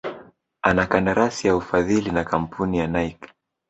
ana kandarasi ya ufadhili na kamapuni ya Nike